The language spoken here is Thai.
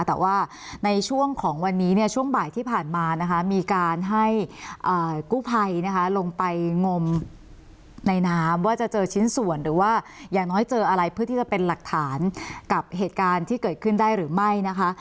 แต่ว่าในช่วงของวันนี้เนี่ยช่วงบ่ายที่ผ่านมานะคะมีการให้กู้ภัยนะคะลงไปงมในน้ำว่าจะเจอชิ้นส่วนหรือว่าอย่างน้อยเจออะไรเพื่อที่จะเป็นหลักฐานกับเหตุการณ์ที่เกิดขึ้นได้หรือไม่นะคะ